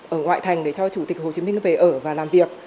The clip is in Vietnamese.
ở ngoại thành để cho chủ tịch hồ chí minh về ở và làm việc